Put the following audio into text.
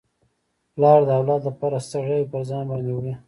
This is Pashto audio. پلار د اولاد لپاره ستړياوي پر ځان باندي وړي.